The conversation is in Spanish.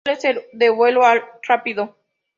Suelen ser de vuelo rápido.